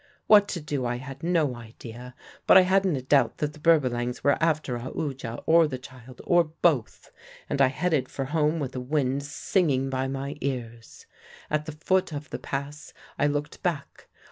"What to do I had no idea; but I hadn't a doubt that the Berbalangs were after Aoodya or the child, or both, and I headed for home with the wind singing by my ears. At the foot of the pass I looked back.